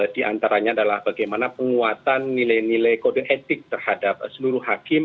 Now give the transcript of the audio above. di antaranya adalah bagaimana penguatan nilai nilai kode etik terhadap seluruh hakim